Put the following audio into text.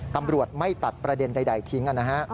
ตำรวจไม่ตัดประเด็นใดทิ้งนะฮะ